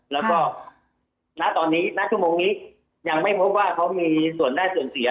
แล้วก็ณตอนนี้ณชั่วโมงนี้ยังไม่พบว่าเขามีส่วนได้ส่วนเสีย